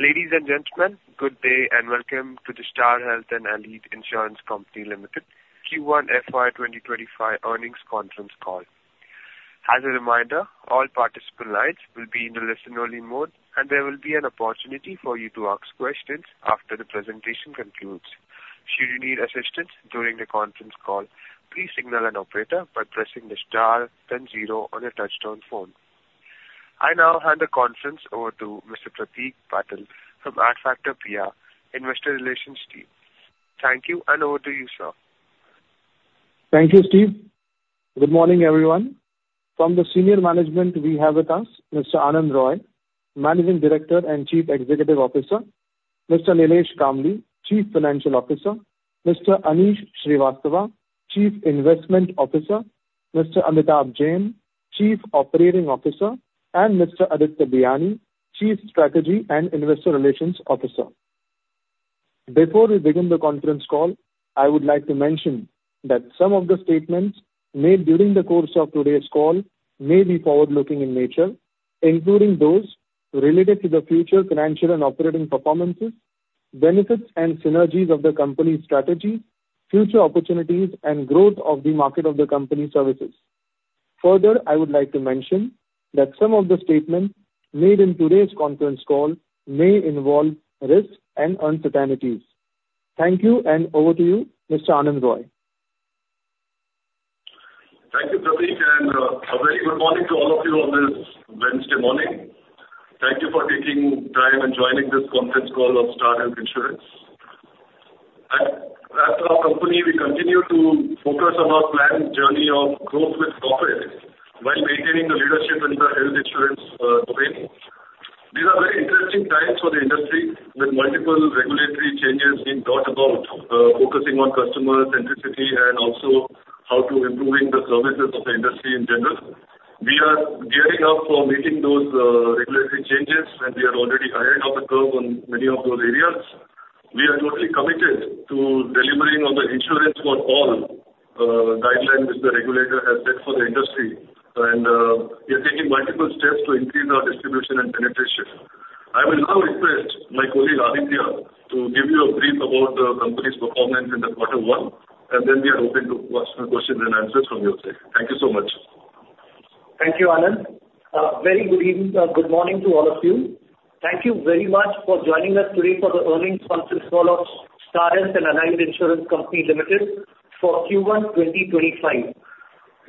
Ladies and gentlemen, good day, and welcome to the Star Health and Allied Insurance Company Limited Q1 FY 2025 earnings conference call. As a reminder, all participant lines will be in the listen-only mode, and there will be an opportunity for you to ask questions after the presentation concludes. Should you need assistance during the conference call, please signal an operator by pressing the star then zero on your touchtone phone. I now hand the conference over to Mr. Prateek Patil from Adfactor PR, Investor Relations team. Thank you, and over to you, sir. Thank you, Steve. Good morning, everyone. From the senior management we have with us Mr. Anand Roy, Managing Director and Chief Executive Officer, Mr. Nilesh Kambli, Chief Financial Officer, Mr. Anish Srivastava, Chief Investment Officer, Mr. Amitabh Jain, Chief Operating Officer, and Mr. Aditya Biyani, Chief Strategy and Investor Relations Officer. Before we begin the conference call, I would like to mention that some of the statements made during the course of today's call may be forward-looking in nature, including those related to the future financial and operating performances, benefits and synergies of the company's strategy, future opportunities, and growth of the market of the company's services. Further, I would like to mention that some of the statements made in today's conference call may involve risks and uncertainties. Thank you, and over to you, Mr. Anand Roy. Thank you, Prateek, and a very good morning to all of you on this Wednesday morning. Thank you for taking time and joining this conference call of Star Health Insurance. At our company, we continue to focus on our planned journey of growth with profit while maintaining the leadership in the health insurance domain. These are very interesting times for the industry, with multiple regulatory changes being thought about, focusing on customer centricity and also how to improving the services of the industry in general. We are gearing up for meeting those regulatory changes, and we are already ahead of the curve on many of those areas. We are totally committed to delivering on the Insurance For All guideline which the regulator has set for the industry, and we are taking multiple steps to increase our distribution and penetration. I will now request my colleague, Aditya, to give you a brief about the company's performance in the quarter one, and then we are open to questions, questions, and answers from your side. Thank you so much. Thank you, Anand. Very good evening, good morning to all of you. Thank you very much for joining us today for the earnings conference call of Star Health and Allied Insurance Company Limited for Q1 2025.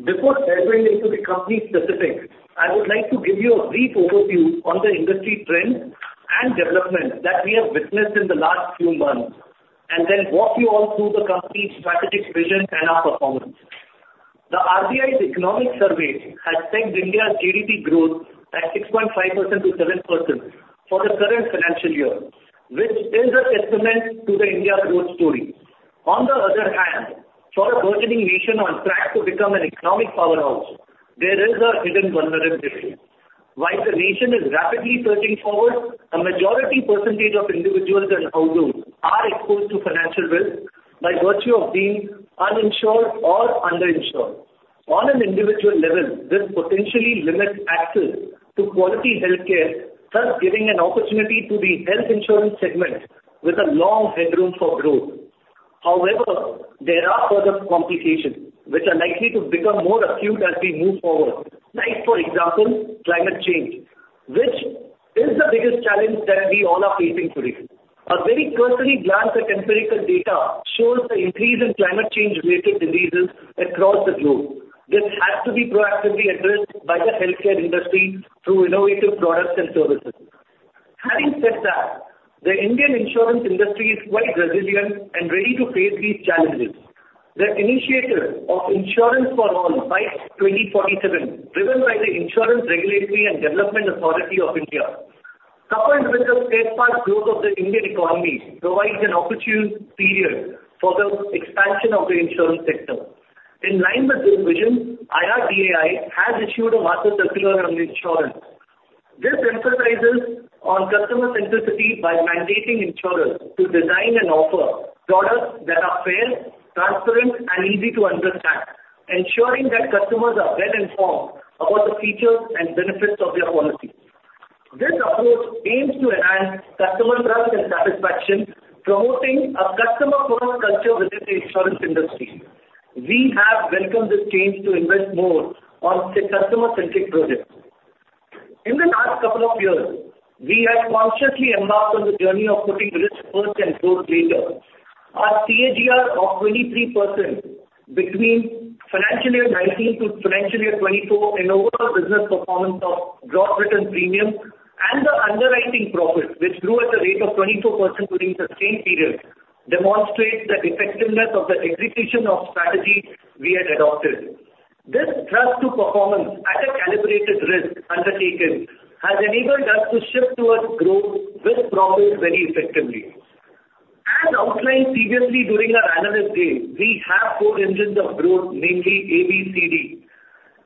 Before delving into the company specifics, I would like to give you a brief overview on the industry trends and developments that we have witnessed in the last few months, and then walk you all through the company's strategic vision and our performance. The RBI's economic survey has pegged India's GDP growth at 6.5%-7% for the current financial year, which is a testament to the India growth story. On the other hand, for a burgeoning nation on track to become an economic powerhouse, there is a hidden vulnerability. While the nation is rapidly surging forward, a majority percentage of individuals and households are exposed to financial risk by virtue of being uninsured or underinsured. On an individual level, this potentially limits access to quality healthcare, thus giving an opportunity to the health insurance segment with a long headroom for growth. However, there are further complications which are likely to become more acute as we move forward, like, for example, climate change, which is the biggest challenge that we all are facing today. A very cursory glance at empirical data shows the increase in climate change-related diseases across the globe. This has to be proactively addressed by the healthcare industry through innovative products and services. Having said that, the Indian insurance industry is quite resilient and ready to face these challenges. The initiative of Insurance for All by [2047], driven by the Insurance Regulatory and Development Authority of India, coupled with the steadfast growth of the Indian economy, provides an opportune period for the expansion of the insurance sector. In line with this vision, IRDAI has issued a master circular on insurance. This emphasizes on customer centricity by mandating insurers to design and offer products that are fair, transparent, and easy to understand, ensuring that customers are well informed about the features and benefits of their policy. This approach aims to enhance customer trust and satisfaction, promoting a customer-first culture within the insurance industry. We have welcomed this change to invest more on the customer-centric projects. In the last couple of years, we have consciously embarked on the journey of putting risk first and growth later. Our CAGR of 23% between financial year 2019 to financial year 2024, in overall business performance of gross written premium and the underwriting profit, which grew at a rate of 24% during the same period, demonstrates the effectiveness of the execution of strategy we had adopted. This thrust to performance at a calibrated risk undertaken has enabled us to shift towards growth with profit very effectively. As outlined previously during our analyst day, we have four engines of growth, namely A, B, C, D.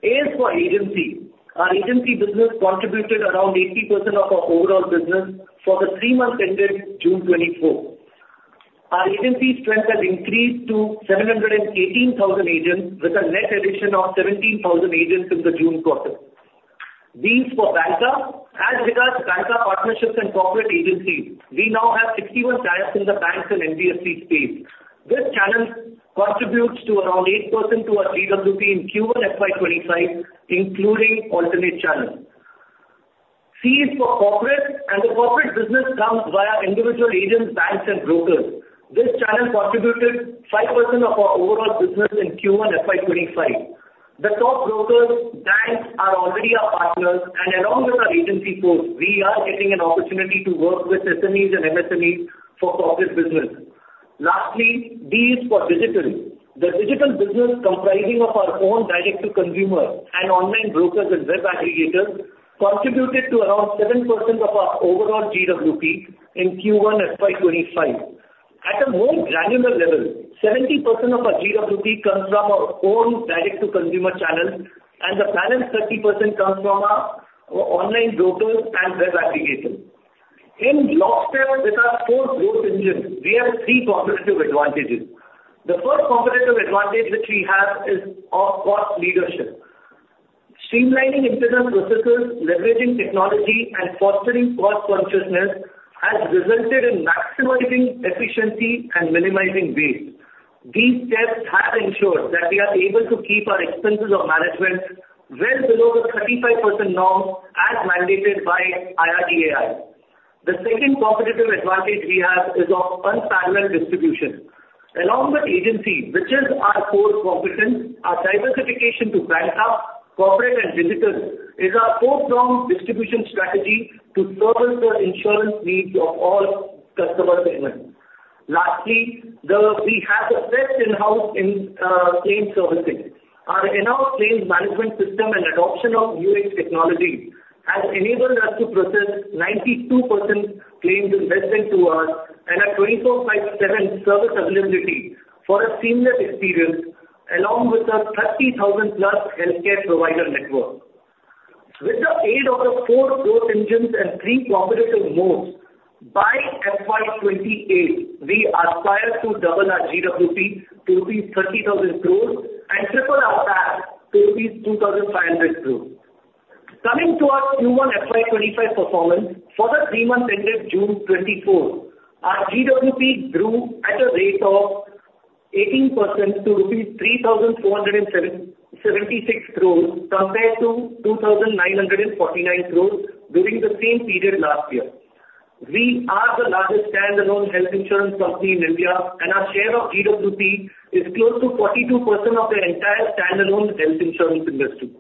A is for agency. Our agency business contributed around 80% of our overall business for the three months ended June 2024....Our agency strength has increased to 718,000 agents, with a net addition of 17,000 agents in the June quarter. B is for Banca. As regards Banca partnerships and corporate agencies, we now have 61 channels in the banks and NBFC space. This channel contributes to around 8% to our GWP in Q1 FY 2025, including alternate channels. C is for corporate, and the corporate business comes via individual agents, banks, and brokers. This channel contributed 5% of our overall business in Q1 FY 2025. The top brokers, banks, are already our partners, and along with our agency force, we are getting an opportunity to work with SMEs and MSMEs for corporate business. Lastly, D is for digital. The digital business, comprising of our own direct-to-consumer and online brokers and web aggregators, contributed to around 7% of our overall GWP in Q1 FY 2025. At a more granular level, 70% of our GWP comes from our own direct-to-consumer channel, and the balance 30% comes from our online brokers and web aggregators. In lockstep with our four growth engines, we have three competitive advantages. The first competitive advantage which we have is our cost leadership. Streamlining internal processes, leveraging technology, and fostering cost consciousness has resulted in maximizing efficiency and minimizing waste. These steps have ensured that we are able to keep our expenses of management well below the 35% norm as mandated by IRDAI. The second competitive advantage we have is of unparalleled distribution. Along with agency, which is our core competence, our diversification to [Banca], corporate, and digital is our four-pronged distribution strategy to service the insurance needs of all customer segments. Lastly, we have the best in-house claims servicing. Our in-house claims management system and adoption of UX technology has enabled us to process 92% claims in less than two hours and a 24/7 service availability for a seamless experience, along with a 30,000+ healthcare provider network. With the aid of the four growth engines and three competitive modes, by FY 2028, we aspire to double our GWP to rupees 30,000 crores and triple our PAT to rupees 2,500 crores. Coming to our Q1 FY 2025 performance, for the three months ended June 2024, our GWP grew at a rate of 18% to rupees 3,477.76 crores, compared to 2,949 crores during the same period last year. We are the largest standalone health insurance company in India, and our share of GWP is close to 42% of the entire standalone health insurance industry.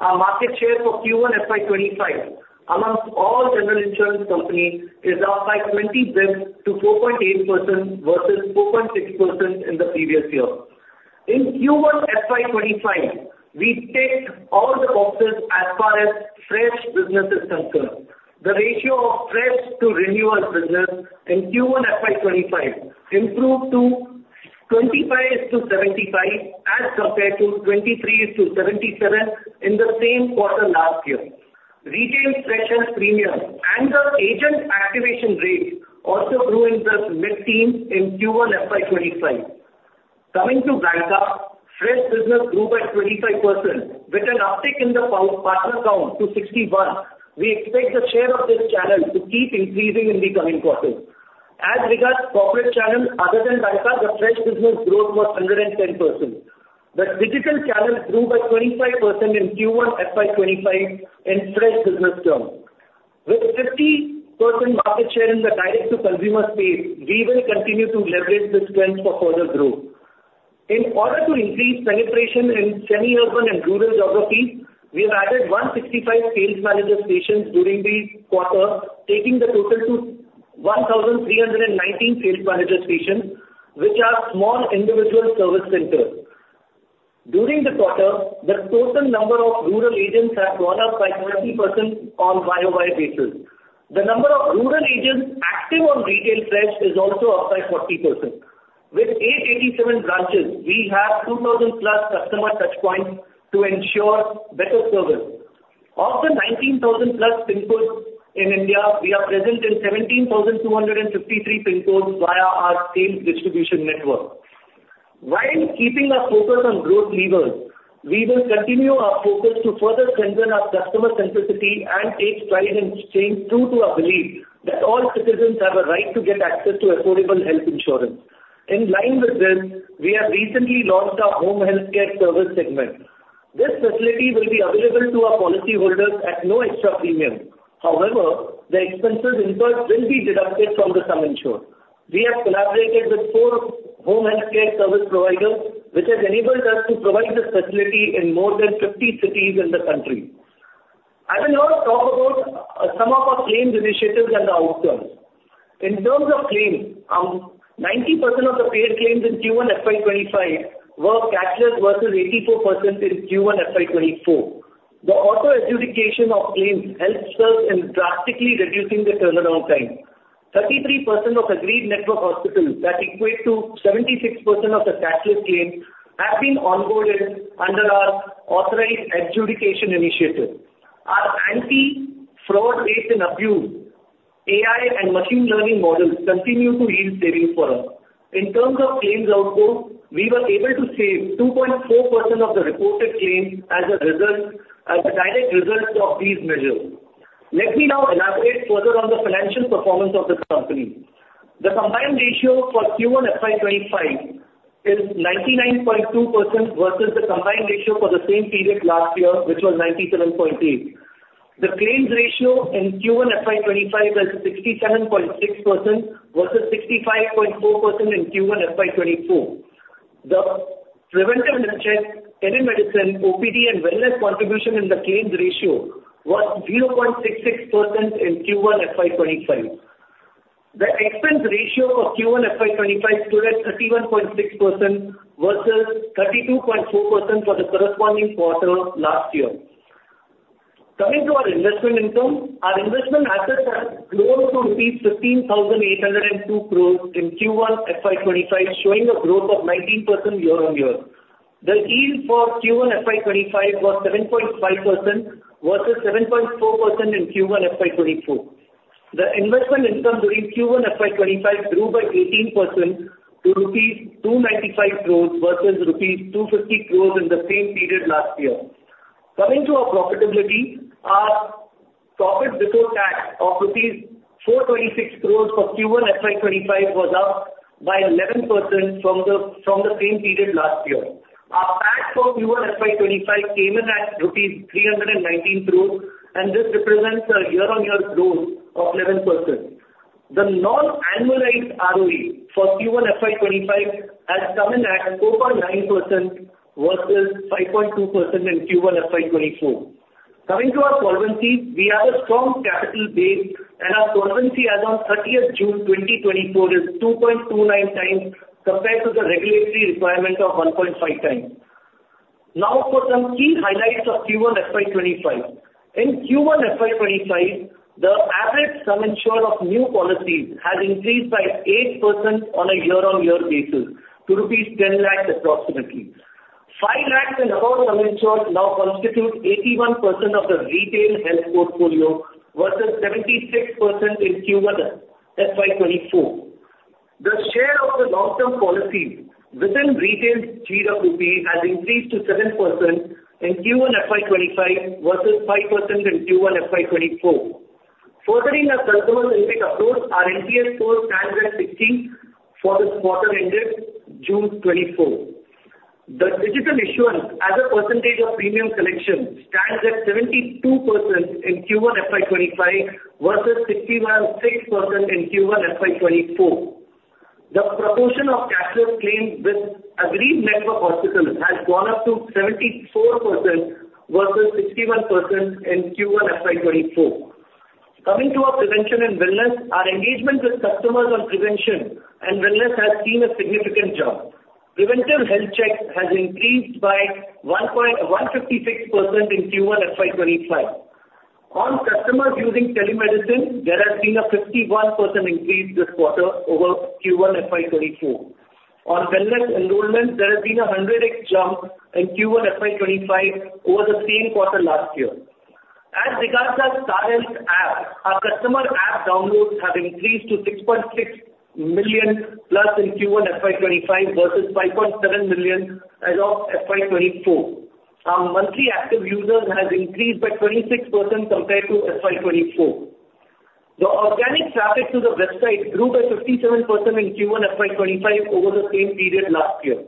Our market share for Q1 FY 2025 amongst all general insurance companies is up by 20 basis points to 4.8%, versus 4.6% in the previous year. In Q1 FY 2025, we ticked all the boxes as far as fresh business is concerned. The ratio of fresh to renewal business in Q1 FY 2025 improved to 25:75, as compared to 23:77 in the same quarter last year. Retail fresh health premium and the agent activation rate also grew in the mid-teens in Q1 FY 2025. Coming to banca, fresh business grew by 25% with an uptick in the partner count to 61. We expect the share of this channel to keep increasing in the coming quarters. As regards corporate channels, other than banca, the fresh business growth was 110%. The digital channel grew by 25% in Q1 FY 2025 in fresh business terms. With 50% market share in the direct-to-consumer space, we will continue to leverage this strength for further growth. In order to increase penetration in semi-urban and rural geographies, we have added 165 sales manager stations during the quarter, taking the total to 1,319 sales manager stations, which are small individual service centers. During the quarter, the total number of rural agents have gone up by [40%] on YoY basis. The number of rural agents active on retail fresh is also up by [40%]. With 887 branches, we have 2,000+ customer touchpoints to ensure better service. Of the 19,000+ pin codes in India, we are present in 17,253 pin codes via our sales distribution network. While keeping our focus on growth levers, we will continue our focus to further strengthen our customer centricity and take pride in staying true to our belief that all citizens have a right to get access to affordable health insurance. In line with this, we have recently launched our home healthcare service segment. This facility will be available to our policyholders at no extra premium. However, the expenses incurred will be deducted from the sum insured. We have collaborated with four home healthcare service providers, which has enabled us to provide this facility in more than 50 cities in the country. I will now talk about some of our claims initiatives and the outcomes. In terms of claims, 90% of the paid claims in Q1 FY 2025 were cashless, versus 84% in Q1 FY 2024. The auto adjudication of claims helps us in drastically reducing the turnaround time. 33% of agreed network hospitals, that equate to 76% of the cashless claims, have been onboarded under our authorized adjudication initiative. Our anti-fraud, waste, and abuse, AI and machine learning models continue to yield savings for us. In terms of claims outflow, we were able to save 2.4% of the reported claims as a result, as a direct result of these measures. Let me now elaborate further on the financial performance of the company. The Combined Ratio for Q1 FY 2025 is 99.2% versus the Combined Ratio for the same period last year, which was 97.8%. The Claims Ratio in Q1 FY 2025 was 67.6% versus 65.4% in Q1 FY 2024. The preventive health check, telemedicine, OPD, and wellness contribution in the Claims Ratio was 0.66% in Q1 FY 2025. The Expense Ratio for Q1 FY 2025 stood at 31.6% versus 32.4% for the corresponding quarter last year. Coming to our investment income, our investment assets are close to rupees 15,802 crores in Q1 FY 2025, showing a 19% growth year-on-year. The yield for Q1 FY 2025 was 7.5% versus 7.4% in Q1 FY 2024. The investment income during Q1 FY 2025 grew by 18% to rupees 295 crores versus rupees 250 crores in the same period last year. Coming to our profitability, our profit before tax of rupees 426 crores for Q1 FY 2025 was up by 11% from the same period last year. Our PAT for Q1 FY 2025 came in at rupees 319 crores, and this represents a year-on-year growth of 11%. The non-annualized ROE for Q1 FY 2025 has come in at 4.9% versus 5.2% in Q1 FY 2024. Coming to our solvency, we have a strong capital base, and our solvency as on thirtieth June 2024 is 2.29 times compared to the regulatory requirement of 1.5 times. Now, for some key highlights of Q1 FY 2025. In Q1 FY 2025, the average sum insured of new policies has increased by 8% on a year-on-year basis to rupees 10 lakhs approximately. 5 lakhs and above sum insured now constitute 81% of the retail health portfolio versus 76% in Q1 FY 2024. The share of the long-term policies within retail GWP has increased to 7% in Q1 FY 2025 versus 5% in Q1 FY 2024. Furthering our customer-centric approach, our NPS score stands at 16 for the quarter ended June 2024. The digital issuance as a percentage of premium collection stands at 72% in Q1 FY 2025 versus 61.6% in Q1 FY 2024. The proportion of cashless claims with agreed network hospitals has gone up to 74% versus 61% in Q1 FY 2024. Coming to our prevention and wellness, our engagement with customers on prevention and wellness has seen a significant jump. Preventive health check has increased by 156% in Q1 FY 2025. On customers using telemedicine, there has been a 51% increase this quarter over Q1 FY 2024. On wellness enrollments, there has been a 100x jump in Q1 FY 2025 over the same quarter last year. As regards our Star Health app, our customer app downloads have increased to 6.6 million plus in Q1 FY 2025 versus 5.7 million as of FY 2024. Our monthly active users has increased by 26% compared to FY 2024. The organic traffic to the website grew by 57% in Q1 FY 2025 over the same period last year.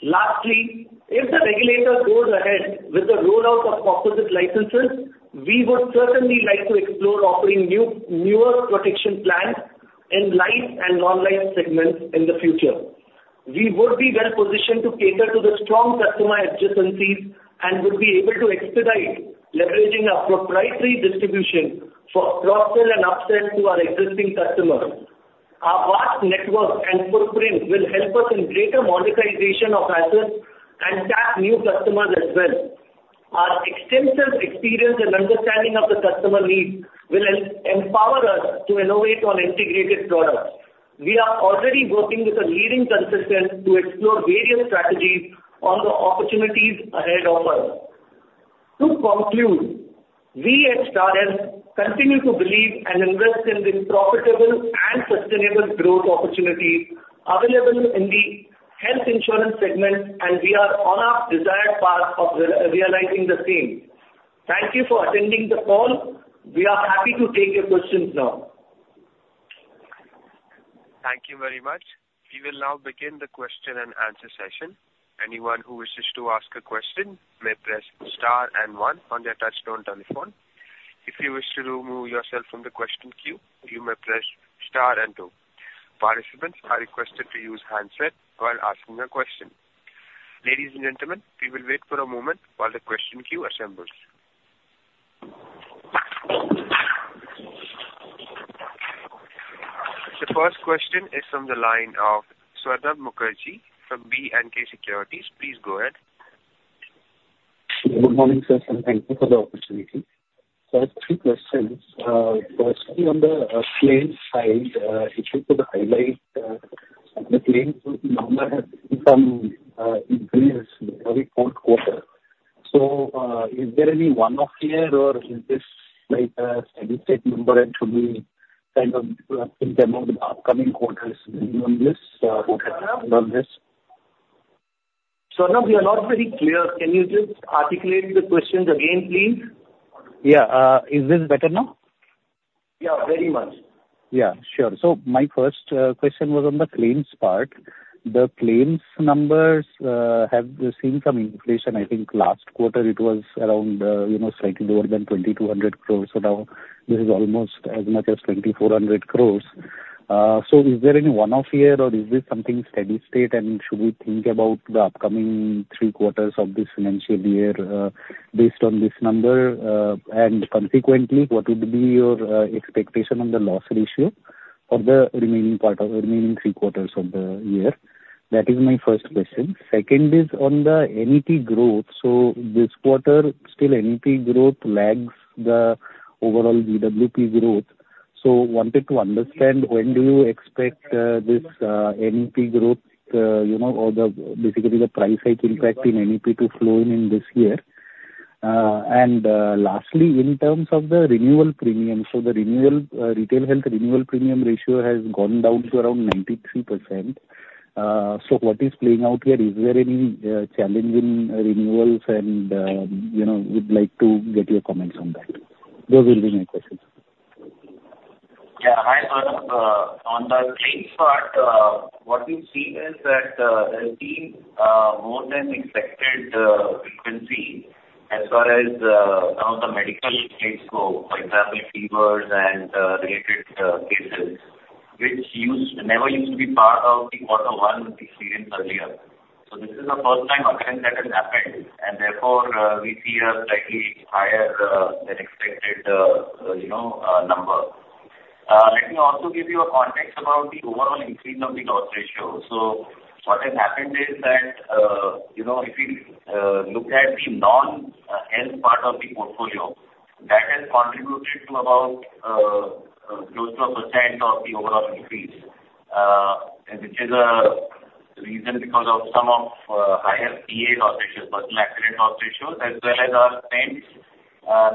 Lastly, if the regulator goes ahead with the rollout of composite licenses, we would certainly like to explore offering new, newer protection plans in life and non-life segments in the future. We would be well positioned to cater to the strong customer adjacencies and would be able to expedite leveraging our proprietary distribution for cross-sell and upsell to our existing customers. Our vast network and footprint will help us in greater monetization of assets and tap new customers as well. Our extensive experience and understanding of the customer needs will help empower us to innovate on integrated products. We are already working with a leading consultant to explore various strategies on the opportunities ahead of us. To conclude, we at Star Health continue to believe and invest in the profitable and sustainable growth opportunities available in the health insurance segment, and we are on our desired path of realizing the same. Thank you for attending the call. We are happy to take your questions now. Thank you very much. We will now begin the question and answer session. Anyone who wishes to ask a question may press star and one on their touchtone telephone. If you wish to remove yourself from the question queue, you may press star and two. Participants are requested to use handset while asking a question. Ladies and gentlemen, we will wait for a moment while the question queue assembles. The first question is from the line of Saurabh Mukherjee from BNK Securities. Please go ahead. Good morning, sir, and thank you for the opportunity. I have three questions. Firstly, on the claims side, if you could highlight the claims number has seen some increase every fourth quarter. So, is there any one-off here, or is this like a steady state number and should we kind of think about the upcoming quarters on this, on this? Saurabh, we are not very clear. Can you just articulate the question again, please? Yeah, is this better now? Yeah, very much. Yeah, sure. So my first question was on the claims part. The claims numbers have seen some inflation. I think last quarter it was around, you know, slightly lower than 2,200 crores. So now this is almost as much as 2,400 crores. So is there any one-off here, or is this something steady state? And should we think about the upcoming three quarters of this financial year based on this number? And consequently, what would be your expectation on the loss ratio of the remaining part of remaining three quarters of the year? That is my first question. Second is on the A&P growth. So this quarter, still A&P growth lags the overall GWP growth. So wanted to understand, when do you expect this A&P growth, you know, or the basically the price hike impact in A&P to flow in, in this year? And lastly, in terms of the renewal premium, so the renewal retail health renewal premium ratio has gone down to around 93%. So what is playing out here? Is there any challenge in renewals? And you know, we'd like to get your comments on that. Those will be my questions. Yeah. Hi, Sonam. On the claims part, what we've seen is that, there's been, more than expected, frequency as far as, some of the medical cases go, for example, fevers and, related, cases, which never used to be part of the quarter one we experienced earlier. So this is the first time occurrence that has happened, and therefore, we see a slightly higher, than expected, you know, number. Let me also give you a context about the overall increase of the loss ratio. So what has happened is that, you know, if you look at the non health part of the portfolio, that has contributed to about close to 1% of the overall increase, which is a reason because of some of higher PA loss ratios, personal accident loss ratios, as well as our spends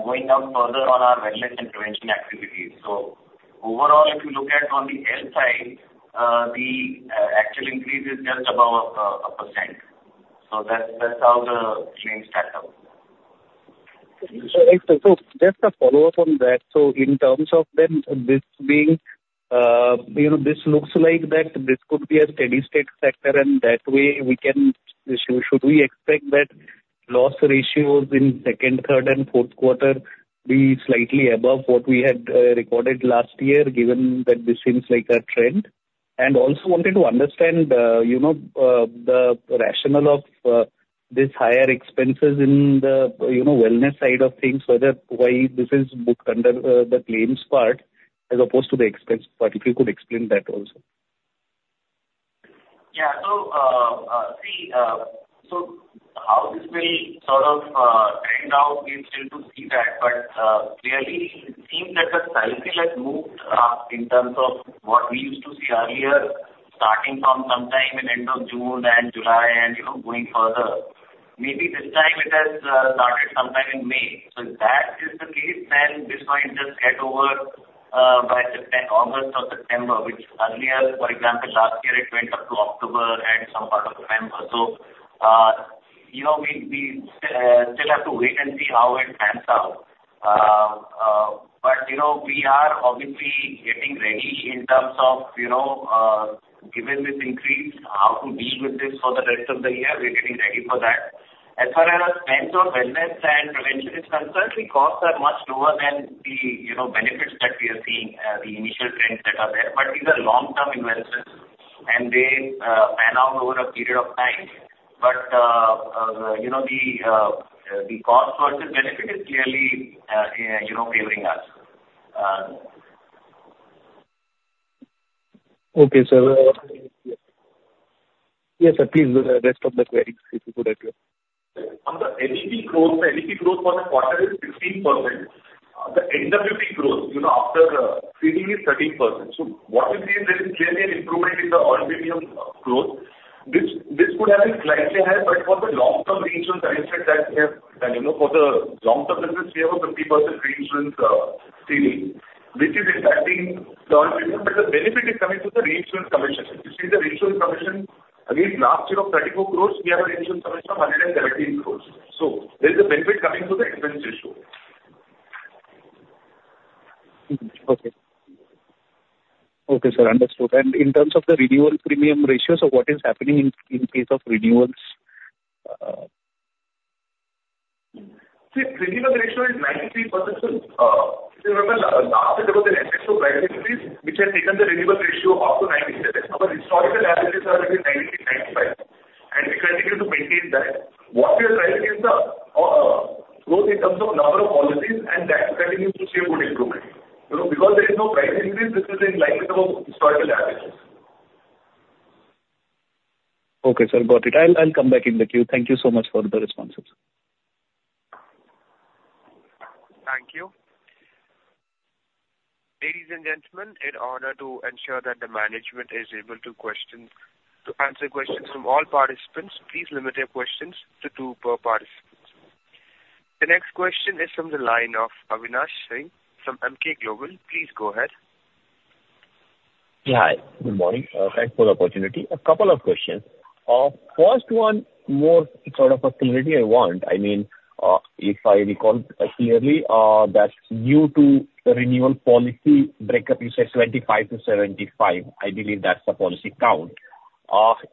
going up further on our wellness and prevention activities. So overall, if you look at on the health side, the actual increase is just above 1%. So that's, that's how the claims stack up. So, just a follow-up on that. So in terms of then, this being, you know, this looks like that this could be a steady state sector, and that way we can... Should we expect that loss ratios in second, third, and fourth quarter be slightly above what we had, recorded last year, given that this seems like a trend? And also wanted to understand, you know, the rationale of, this higher expenses in the, you know, wellness side of things, whether why this is booked under, the claims part as opposed to the expense part. If you could explain that also. Yeah. So, see, so how this will sort of trend out, we've still to see that. But, clearly it seems that the cycle has moved, in terms of what we used to see earlier, starting from sometime in end of June and July and, you know, going further. Maybe this time it has started sometime in May. So if that is the case, then this might just get over, by August or September, which earlier, for example, last year, it went up to October and some part of November. So, you know, we still have to wait and see how it pans out. But, you know, we are obviously getting ready in terms of, you know, given this increase, how to deal with this for the rest of the year, we're getting ready for that. As far as our spends on wellness and prevention is concerned, the costs are much lower than the, you know, benefits that we are seeing, the initial trends that are there. But these are long-term investments, and they pan out over a period of time. But, you know, the cost versus benefit is clearly, you know, favoring us. Okay, sir. Yes, please, the rest of the queries, if you could address. On the A&P growth, the A&P growth for the quarter is 15%. The NWP growth, you know, after ceding is 13%. So what we see, there is clearly an improvement in the all premium growth. This could have been slightly higher, but for the long-term reinsurance arrangement that we have, and, you know, for the long-term business, we have a 50% reinsurance ceding, which is impacting the premium. But the benefit is coming through the reinsurance commission. You see the reinsurance commission against last year of INR 34 crores, we have a reinsurance commission of INR 117 crores. So there is a benefit coming through the expense ratio. Mm-hmm. Okay. Okay, sir, understood. And in terms of the renewal premium ratio, so what is happening in, in case of renewals? See, renewal ratio is 93%. Last year there was an excess to price increase, which has taken the renewal ratio up to 97%. Our historical averages are between 93%-95%, and we continue to maintain that. What we are trying is the growth in terms of number of policies, and that continues to see a good improvement. You know, because there is no price increase, this is in line with our historical averages.... Okay, sir, got it. I'll, I'll come back in the queue. Thank you so much for the responses. Thank you. Ladies and gentlemen, in order to ensure that the management is able to answer questions from all participants, please limit your questions to two per participant. The next question is from the line of Avinash Singh from Emkay Global. Please go ahead. Yeah, hi, good morning. Thanks for the opportunity. A couple of questions. First one, more sort of a clarity I want. I mean, if I recall clearly, that's due to renewal policy breakup, you said 25 to 75. I believe that's the policy count.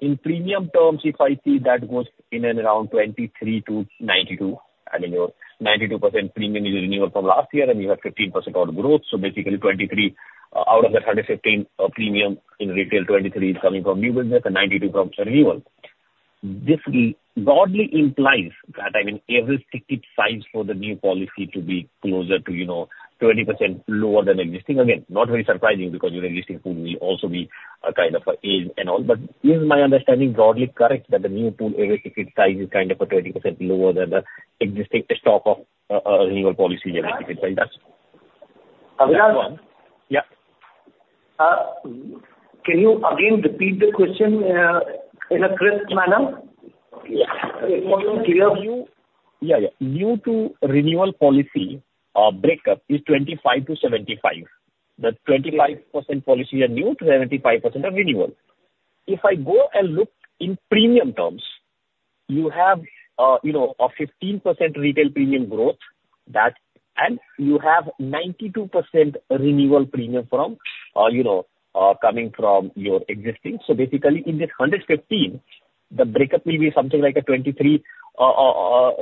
In premium terms, if I see, that goes in and around 23 to 92. I mean, your 92% premium is renewal from last year, and you have 15% on growth, so basically 23 out of the 115 premium in retail, 23 is coming from new business and 92 from renewal. This broadly implies that, I mean, every ticket size for the new policy to be closer to, you know, 20% lower than existing. Again, not very surprising because your existing pool will also be a kind of a age and all. But is my understanding broadly correct, that the new pool, average ticket size is kind of 20% lower than the existing stock of renewal policy ticket size? Avinash? Yeah. Can you again repeat the question in a crisp manner? Yeah. More clear. Yeah, yeah. Due to renewal policy, breakup is 25-75. The 25% policy are new, 75% are renewal. If I go and look in premium terms, you have, you know, a 15% retail premium growth, that, and you have 92% renewal premium from, you know, coming from your existing. So basically, in this 115, the breakup will be something like a 23, you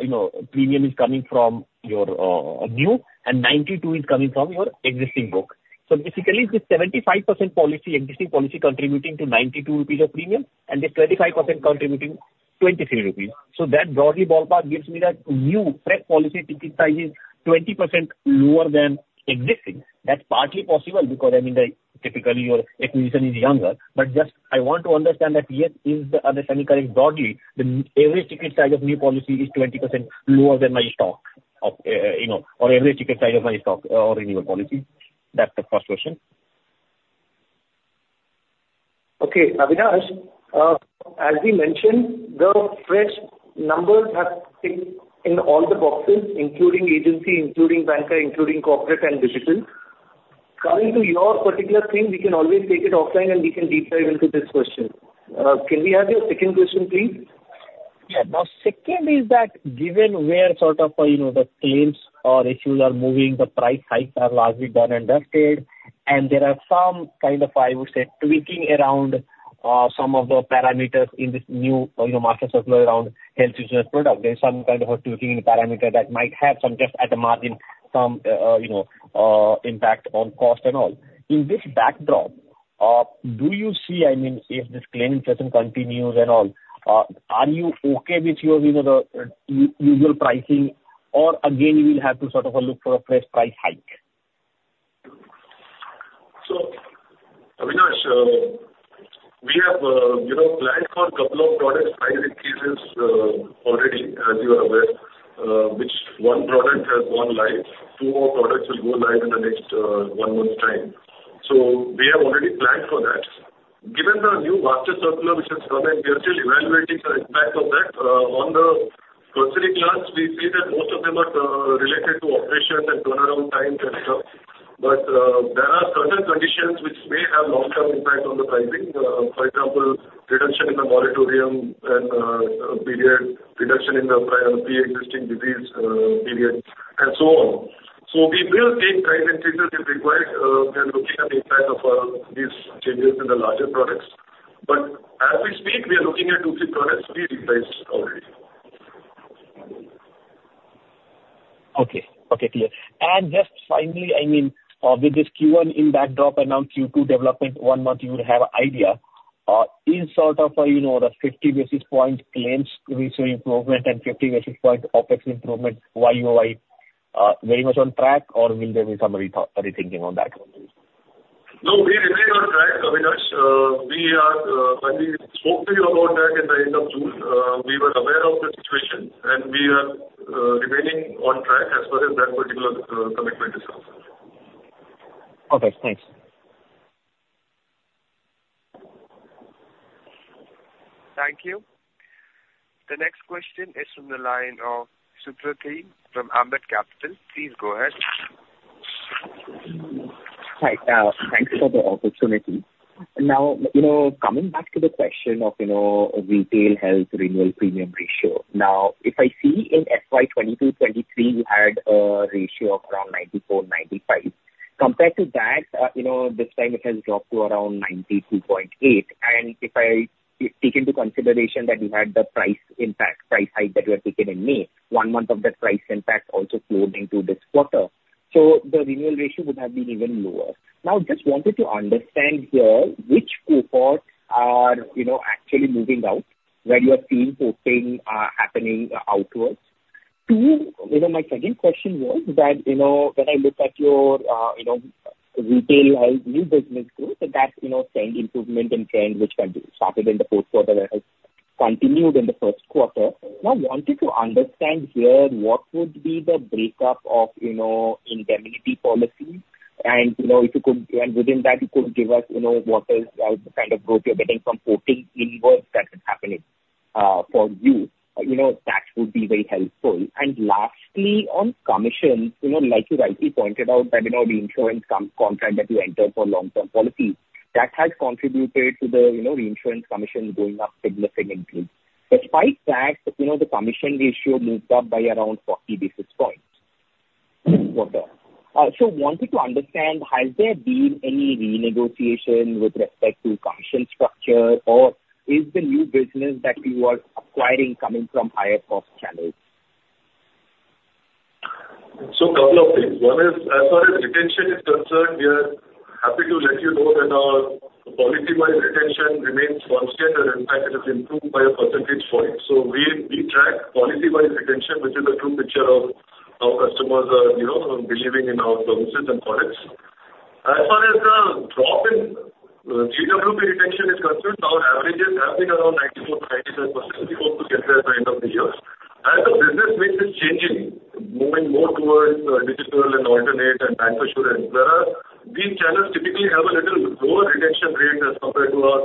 know, premium is coming from your new and 92 is coming from your existing book. So basically, the 75% policy, existing policy, contributing to 92 rupees of premium and the 25% contributing 23 rupees. So that broadly ballpark gives me that new fresh policy ticket size is 20% lower than existing. That's partly possible because, I mean, like, typically your acquisition is younger. But just I want to understand that, yes, is the understanding correct broadly, the average ticket size of new policy is 20% lower than my stock of, you know, or average ticket size of my stock or renewal policy? That's the first question. Okay, Avinash, as we mentioned, the fresh numbers have ticked in all the boxes, including agency, including banca, including corporate and digital. Coming to your particular thing, we can always take it offline and we can deep dive into this question. Can we have your second question, please? Yeah. The second is that, given where sort of, you know, the claims or issues are moving, the price hikes are largely done and dusted, and there are some kind of, I would say, tweaking around, some of the parameters in this new, you know, master circular around health insurance product. There's some kind of a tweaking in parameter that might have some, just at the margin, some, you know, impact on cost and all. In this backdrop, do you see, I mean, if this claim interest continues and all, are you okay with your, you know, the usual pricing, or again, you will have to sort of look for a fresh price hike? So, Avinash, we have, you know, planned for a couple of product price increases already, as you are aware, which one product has gone live. Two more products will go live in the next one month time. So we have already planned for that. Given the new master circular which has come in, we are still evaluating the impact of that. On the first three plans, we see that most of them are related to operations and turnaround times and stuff. But there are certain conditions which may have long-term impact on the pricing. For example, reduction in the moratorium and period, reduction in the pre-existing disease period, and so on. So we will take price increases if required. We are looking at the impact of these changes in the larger products, but as we speak, we are looking at two, three products we reprice already. Okay. Okay, clear. And just finally, I mean, with this Q1 in backdrop and now Q2 development, one month you would have an idea, is sort of a, you know, the 50 basis point claims ratio improvement and 50 basis point OpEx improvement YoY, very much on track, or will there be some rethinking on that one, please? No, we remain on track, Avinash. We are... When we spoke to you about that in the end of June, we were aware of the situation, and we are remaining on track as far as that particular commitment is concerned. Okay, thanks. Thank you. The next question is from the line of Supratim Datta from Ambit Capital. Please go ahead. Hi, thanks for the opportunity. Now, you know, coming back to the question of, you know, retail health renewal premium ratio. Now, if I see in FY 2022-2023, you had a ratio of around 94:95. Compared to that, you know, this time it has dropped to around 92.8, and if I take into consideration that you had the price impact, price hike that you had taken in May, one month of that price impact also flowed into this quarter. So the renewal ratio would have been even lower. Now, just wanted to understand here, which cohorts are, you know, actually moving out, where you are seeing posting happening outwards?... Two, you know, my second question was that, you know, when I look at your, you know, retail health new business growth, that's, you know, seeing improvement in trend, which kind of started in the fourth quarter and has continued in the first quarter. I wanted to understand here, what would be the breakup of, you know, indemnity policies? And, you know, if you could, and within that, you could give us, you know, what is, the kind of growth you're getting from quoting inwards that is happening, for you. You know, that would be very helpful. And lastly, on commissions, you know, like you rightly pointed out that, you know, the insurance contract that you enter for long-term policies, that has contributed to the, you know, reinsurance commission going up significantly. Despite that, you know, the commission ratio moved up by around 40 basis points this quarter. So wanted to understand, has there been any renegotiation with respect to commission structure, or is the new business that you are acquiring coming from higher cost channels? So couple of things. One is, as far as retention is concerned, we are happy to let you know that our policy-wise retention remains constant and, in fact, it has improved by a percentage point. So we track policy-wise retention, which is a true picture of how customers are, you know, believing in our services and products. As far as the drop in GWP retention is concerned, our averages have been around 94%-97%. We hope to get there by end of the year. As the business mix is changing, moving more towards digital and alternate and bank insurance, there are these channels typically have a little lower retention rate as compared to our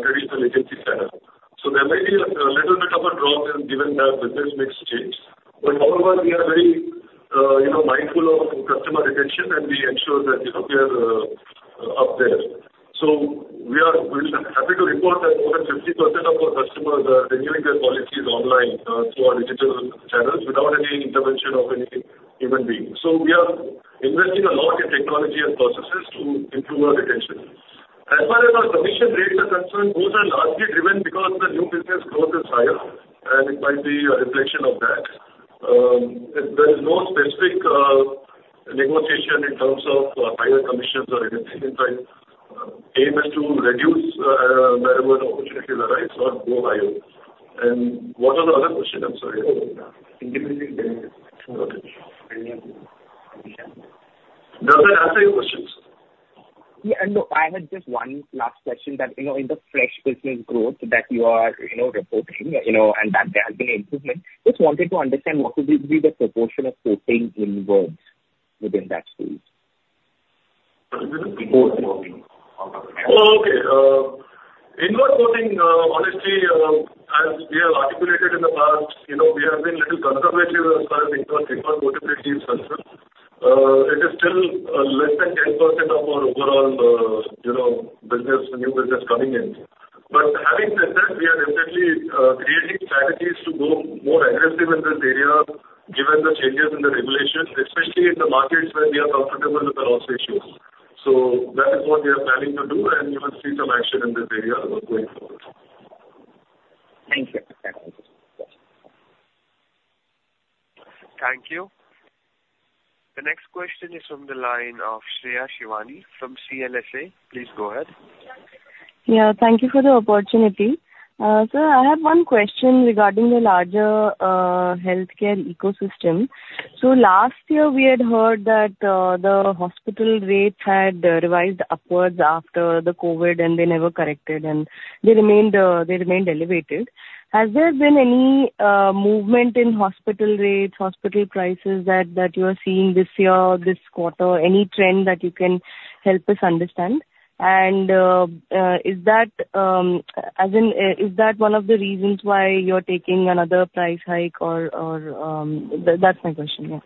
traditional agency channel. So there may be a little bit of a drop in, given that business mix change. However, we are very, you know, mindful of customer retention, and we ensure that, you know, we are, up there. So we are really happy to report that more than 50% of our customers are renewing their policies online, through our digital channels, without any intervention of any human beings. So we are investing a lot in technology and processes to improve our retention. As far as our commission rates are concerned, those are largely driven because the new business growth is higher, and it might be a reflection of that. There is no specific negotiation in terms of higher commissions or anything inside. Aim is to reduce, wherever opportunities are, right?[inaudible audio] It's not go higher. What was the other question? I'm sorry. [Indemnity.] Got it. Does that answer your questions? Yeah. And no, I had just one last question that, you know, in the fresh business growth that you are, you know, reporting, you know, and that there has been improvement, just wanted to understand what would be the proportion of quoting inwards within that space? Oh, okay. Inward quoting, honestly, as we have articulated in the past, you know, we have been little conservative as far as inward quotability is concerned. It is still, less than 10% of our overall, you know, business, new business coming in. But having said that, we are definitely, creating strategies to go more aggressive in this area, given the changes in the regulations, especially in the markets where we are comfortable with the loss ratios. So that is what we are planning to do, and you will see some action in this area going forward. Thank you. Thank you. The next question is from the line of Shreya Shivani from CLSA. Please go ahead. Yeah, thank you for the opportunity. Sir, I have one question regarding the larger healthcare ecosystem. So last year, we had heard that the hospital rates had revised upwards after the COVID, and they never corrected, and they remained elevated. Has there been any movement in hospital rates, hospital prices that you are seeing this year, or this quarter? Any trend that you can help us understand? And is that, as in, is that one of the reasons why you're taking another price hike or?... That's my question, yeah.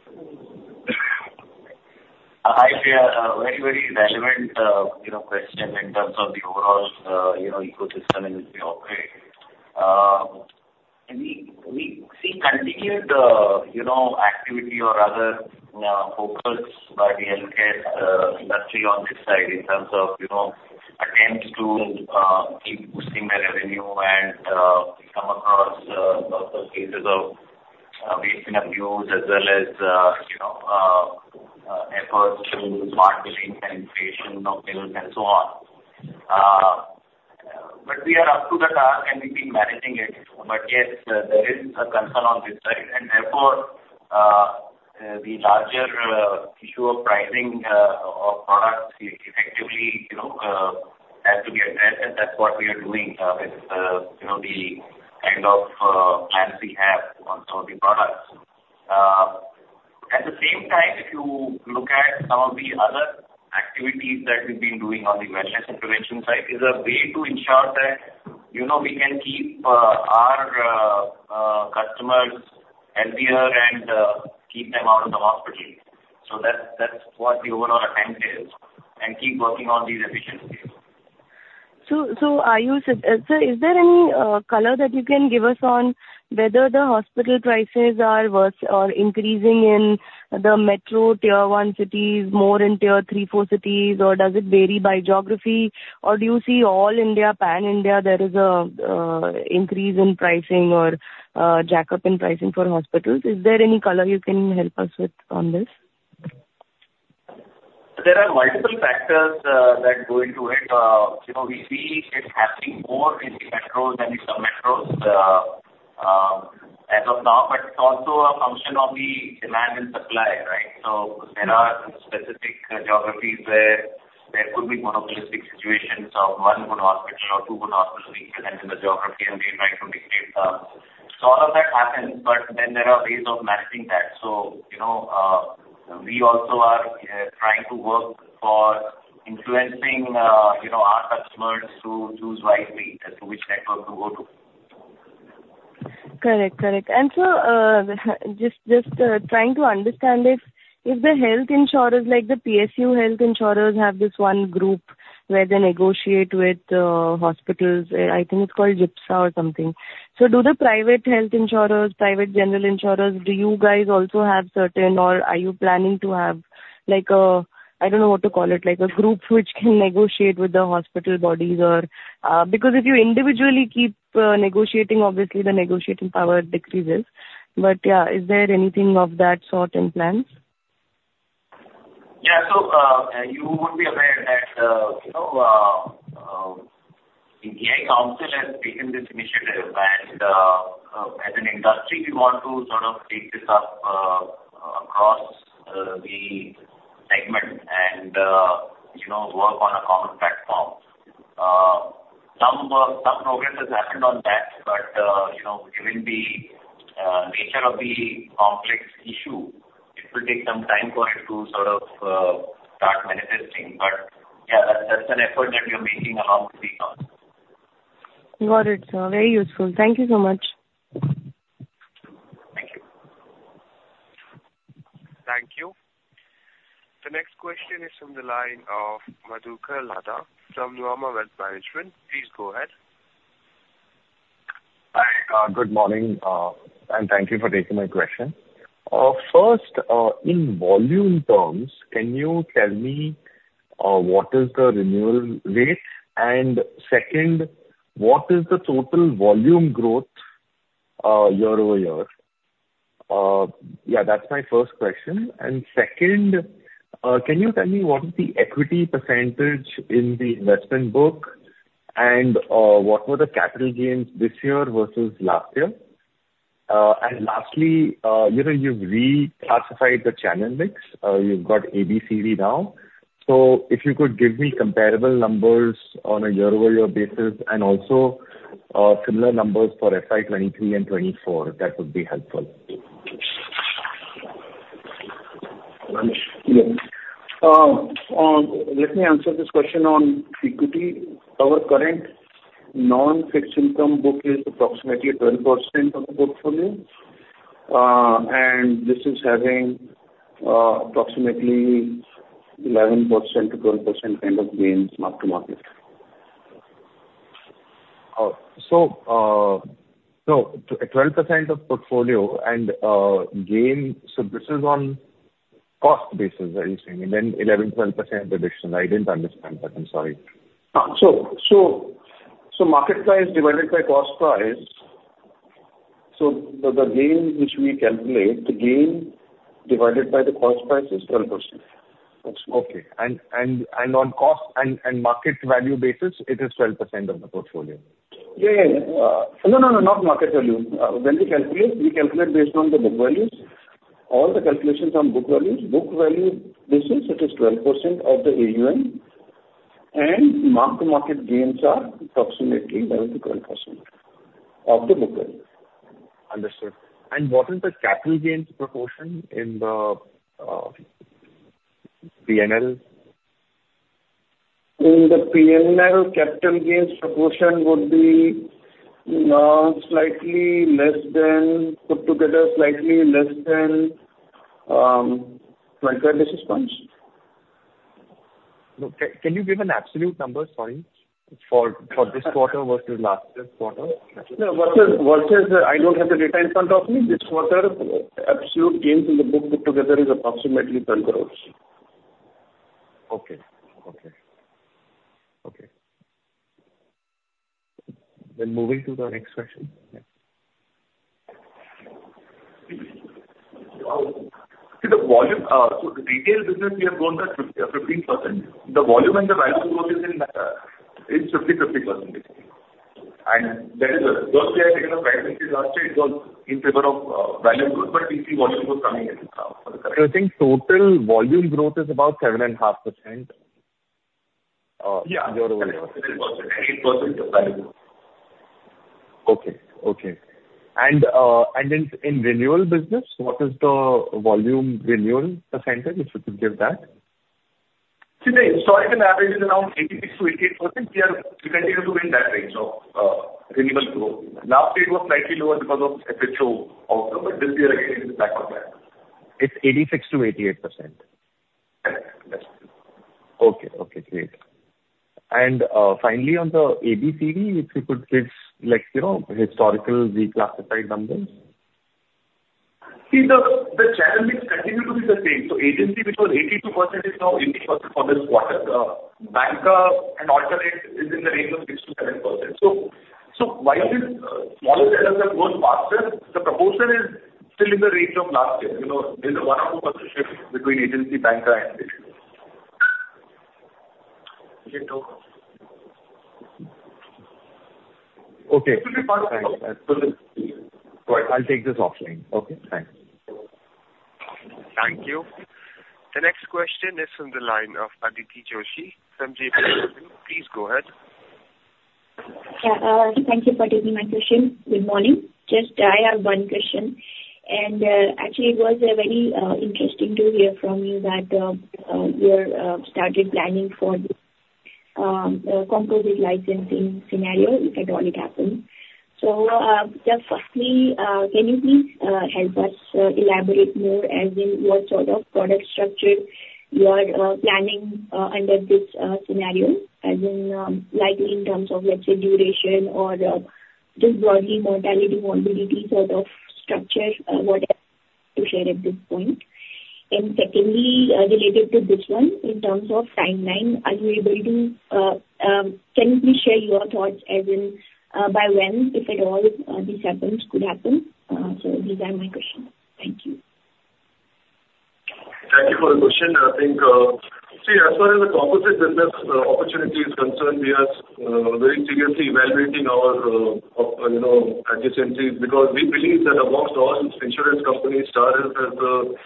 Hi, Shreya. A very, very relevant, you know, question in terms of the overall, you know, ecosystem in which we operate. We see continued, you know, activity or rather, focus by the healthcare industry on this side in terms of, you know, attempts to keep boosting their revenue and come across cases of waste and abuse, as well as, you know, efforts to smart billing and inflation of bills and so on. But we are up to the task, and we've been managing it. But yes, there is a concern on this side, and therefore, the larger issue of pricing of products effectively, you know, has to be addressed, and that's what we are doing, with, you know, the kind of plans we have on some of the products. At the same time, if you look at some of the other activities that we've been doing on the wellness intervention side, is a way to ensure that, you know, we can keep our customers healthier and keep them out of the hospital. So that's what the overall attempt is, and keep working on these efficiencies. So, sir, is there any color that you can give us on whether the hospital prices are worse or increasing in the metro Tier 1 cities, more in Tier 3, 4 cities, or does it vary by geography? Or do you see all-India, pan-India, there is an increase in pricing or jack-up in pricing for hospitals? Is there any color you can help us with on this?... There are multiple factors that go into it. You know, we see it happening more in the metros than the sub-metros as of now, but it's also a function of the demand and supply, right? So there are specific geographies where there could be monopolistic situations of one good hospital or two good hospitals present in the geography, and they try to dictate. So all of that happens, but then there are ways of managing that. So, you know, we also are trying to work for influencing, you know, our customers to choose wisely as to which network to go to. Correct. Correct. And so, just, just, trying to understand if, if the health insurers, like the PSU health insurers, have this one group where they negotiate with, hospitals. I think it's called GIPSA or something. So do the private health insurers, private general insurers, do you guys also have certain or are you planning to have, like, a... I don't know what to call it, like, a group which can negotiate with the hospital bodies or, because if you individually keep, negotiating, obviously the negotiating power decreases. But, yeah, is there anything of that sort in plans? Yeah. So, you would be aware that, you know, the IRDAI council has taken this initiative, and, as an industry, we want to sort of take this up, across, the segment and, you know, work on a common platform. Some, some progress has happened on that, but, you know, given the, nature of the complex issue, it will take some time for it to sort of, start manifesting. But yeah, that's an effort that we are making along with the council. Got it, sir. Very useful. Thank you so much. Thank you. Thank you. The next question is from the line of Madhukar Ladha from Nuvama Wealth Management. Please go ahead. Hi, good morning, and thank you for taking my question. First, in volume terms, can you tell me what is the renewal rate? And second, what is the total volume growth, year-over-year? Yeah, that's my first question. And second, can you tell me what is the equity percentage in the investment book, and what were the capital gains this year versus last year? And lastly, you know, you've reclassified the channel mix. You've got ABCD now. So if you could give me comparable numbers on a year-over-year basis and also similar numbers for FY 2023 and 2024, that would be helpful. Yeah. Let me answer this question on equity. Our current non-fixed income book is approximately 12% of the portfolio, and this is having, approximately 11%-12% kind of gains mark to market. So, so 12% of portfolio and gain, so this is on cost basis, are you saying? And then 11%-12% additional. I didn't understand that. I'm sorry. Market price divided by cost price, so the gain which we calculate, the gain divided by the cost price is 12%. That's it. Okay. On cost and market value basis, it is 12% of the portfolio? Yeah, yeah. No, no, no, not market value. When we calculate, we calculate based on the book values. All the calculations are on book values. Book value basis, it is 12% of the AUM, and mark-to-market gains are approximately 11%-12% of the book value. Understood. And what is the capital gains proportion in the PNL? In the P&L, capital gains proportion would be slightly less than, put together, slightly less than 25 basis points. No. Can you give an absolute number, sorry, for this quarter versus last quarter? No, versus I don't have the data in front of me. This quarter, absolute gains in the book put together is approximately 10 crores. Okay. Okay. Okay. Moving to the next question. See the volume, so the retail business, we have grown by 15%. The volume and the value growth is in 50/50%. And that is because we have taken a price which is last year, it was in favor of volume growth, but we see volume growth coming in, correct. I think total volume growth is about 7.5%, year-over-year. Yeah. 7% and 8% value. Okay. Okay. And, and in renewal business, what is the volume renewal percentage, if you could give that? See the historical average is around 86%-88%. We are we continue to be in that range of renewable growth. Last year it was slightly lower because of FHO also, but this year again it is back on track. It's 86%-88%? Correct. Okay. Okay, great. And finally on the ABCD, if you could give, like, you know, historical reclassified numbers. See, the channel mix continue to be the same. So agency, which was 82%, is now 80% for this quarter. Banca and alternate is in the range of 6%-7%. So, so while the smaller channels are growing faster, the proportion is- ..still in the range of last year, you know, there's a 1%-2% shift between agency, banca, and this. Okay. It will be part of it. I'll take this offline. Okay, thanks. Thank you. The next question is from the line of Aditi Joshi from JP Morgan. Please go ahead. Yeah, thank you for taking my question. Good morning. Just I have one question, and, actually it was, very interesting to hear from you that, you're started planning for the composite licensing scenario, if at all it happens. So, just firstly, can you please help us elaborate more as in what sort of product structure you are planning under this scenario, as in, likely in terms of, let's say, duration or just broadly mortality, morbidity sort of structure, whatever you can share at this point? And secondly, related to this one, in terms of timeline, are you able to, can you please share your thoughts as in, by when, if at all, this happens, could happen? So these are my questions. Thank you. Thank you for the question. I think, see, as far as the composite business opportunity is concerned, we are very seriously evaluating our op- you know, adjacencies, because we believe that amongst all insurance companies, Star has has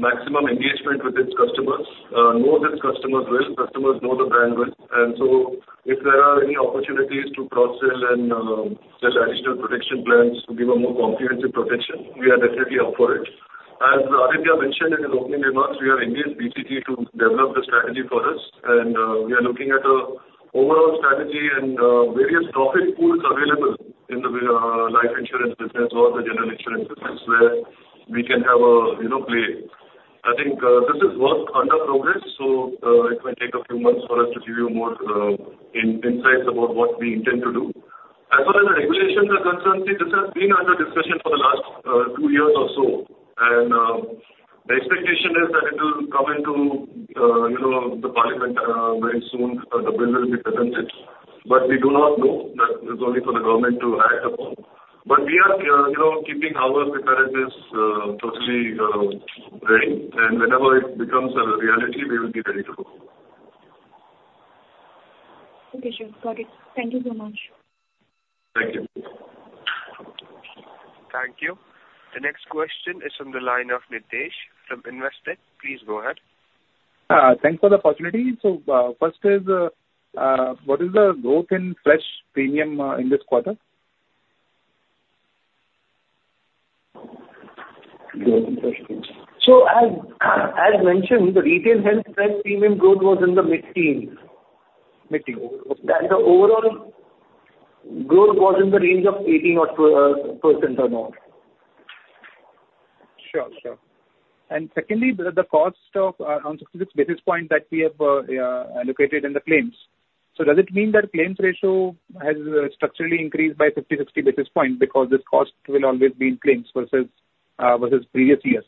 maximum engagement with its customers. Know their customers well, customers know the brand well. And so if there are any opportunities to cross-sell and sell additional protection plans to give a more comprehensive protection, we are definitely up for it. As Aditya mentioned in his opening remarks, we have engaged BCG to develop the strategy for us, and we are looking at a overall strategy and various profit pools available in the vi- life insurance business or the general insurance business, where we can have a you know, play. I think, this is work in progress, so, it may take a few months for us to give you more, insights about what we intend to do. As far as the regulations are concerned, see, this has been under discussion for the last, two years or so. The expectation is that it will come into, you know, the parliament, very soon, the bill will be presented. But we do not know, that is only for the government to act upon. But we are, you know, keeping our preparations, totally, ready, and whenever it becomes a reality, we will be ready to go. Okay, sure. Got it. Thank you so much. Thank you. Thank you. The next question is from the line of Nitesh from Investec. Please go ahead. Thanks for the opportunity. So, first is, what is the growth in fresh premium in this quarter? As, as mentioned, the retail health fresh premium growth was in the mid-teens. Mid-teens. The overall growth was in the range of 18% or 20% or more. Sure, sure. And secondly, the cost of 66 basis points that we have allocated in the claims. So does it mean that claims ratio has structurally increased by 50-60 basis points because this cost will always be in claims versus previous years?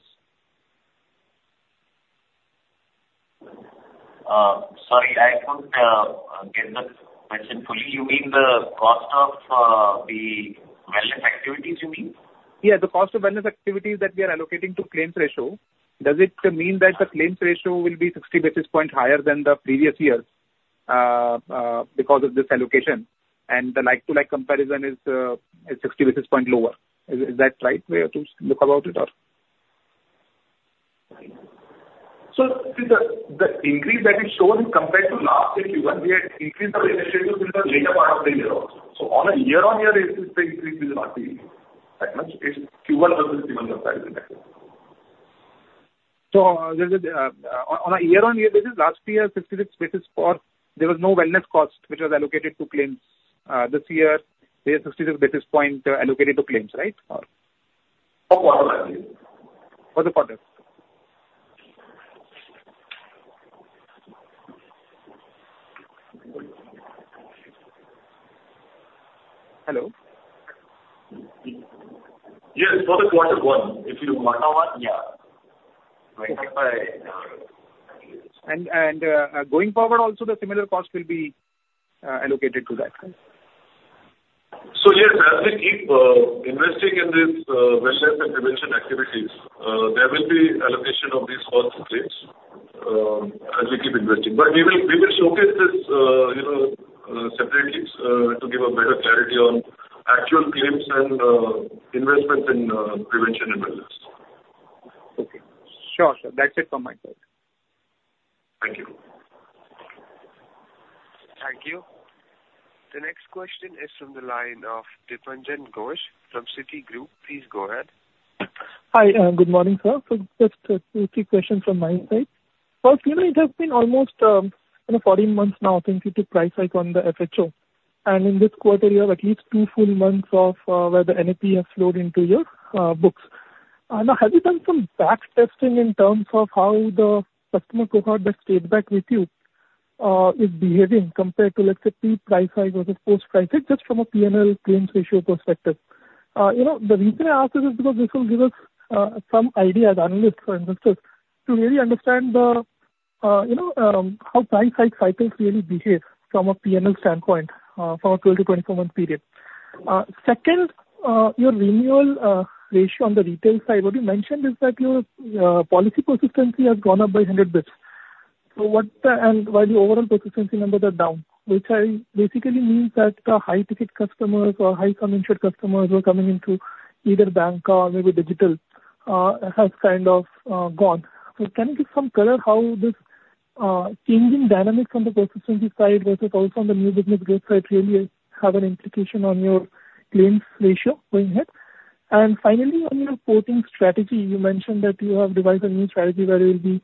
Sorry, I couldn't get the question fully. You mean the cost of the wellness activities, you mean? Yeah, the cost of wellness activities that we are allocating to claims ratio, does it mean that the claims ratio will be 60 basis points higher than the previous years, because of this allocation, and the like-to-like comparison is 60 basis points lower? Is that right way to look about it at? So the increase that is shown is compared to last year Q1. We had increased our initiatives in the later part of the year also. So on a year-on-year basis, the increase will not be that much. It's Q1 versus Q1 comparison actually. On a year-on-year basis, last year, 66 basis points. There was no wellness cost, which was allocated to claims. This year, there's 66 basis points allocated to claims, right? Or... For quarter, actually. For the quarter. Hello? Yes, for the quarter one. If you quarter one, yeah. So I think by, Going forward, also the similar cost will be allocated to that, right? So yes, as we keep investing in this wellness and prevention activities, there will be allocation of these costs to claims, as we keep investing. But we will, we will showcase this, you know, separately, to give a better clarity on actual claims and investments in prevention and wellness. Okay. Sure, sir. That's it from my side. Thank you. Thank you. The next question is from the line of Dipanjan Ghosh from Citigroup. Please go ahead. Hi, good morning, sir. So just, two, three questions from my side. First, you know, it has been almost, you know, 14 months now since you took price hike on the FHO, and in this quarter, you have at least two full months of, where the NAP has flowed into your, books. Now, have you done some back testing in terms of how the customer cohort that stayed back with you, is behaving compared to, let's say, pre-price hike versus post-price hike, just from a PNL claims ratio perspective? You know, the reason I ask this is because this will give us, some idea as analysts and investors to really understand, you know, how price hike cycles really behave from a PNL standpoint, for a 12- to 24-month period. Second, your renewal ratio on the retail side, what you mentioned is that your policy persistency has gone up by 100 basis points. So what the— and while your overall persistency numbers are down, which I basically means that the high-ticket customers or high-income insured customers who are coming into either bank or maybe digital has kind of gone. So can you give some color how this changing dynamic from the persistency side versus also on the new business growth side really has an implication on your claims ratio going ahead? And finally, on your porting strategy, you mentioned that you have devised a new strategy where you'll be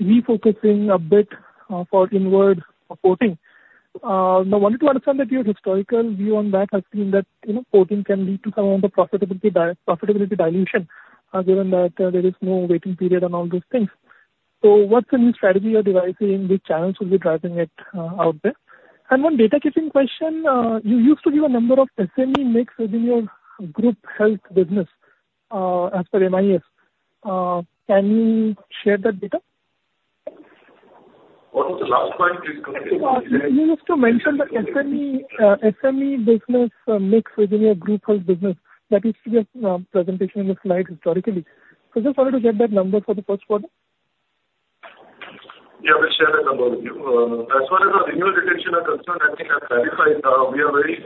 refocusing a bit for inward porting. I wanted to understand that your historical view on that has been that, you know, porting can lead to some of the profitability dilution, given that, there is no waiting period and all those things. So what's the new strategy you're devising, which channels will be driving it, out there? And one data keeping question, you used to give a number of SME mix within your group health business, as per MIS. Can you share that data? What was the last point please? You used to mention the SME, SME business, mix within your group health business. That used to be a, presentation in the slide historically. So just wanted to get that number for the first quarter. Yeah, we'll share the number with you. As far as our renewal retention are concerned, I think I've clarified, we are very,